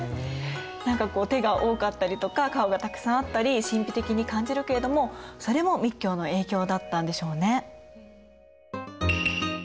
何かこう手が多かったりとか顔がたくさんあったり神秘的に感じるけれどもそれも密教の影響だったんでしょうね。